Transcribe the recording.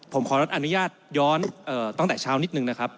ผมขออนุญาตย้อนตั้งแต่เช้านิดนึงนะครับ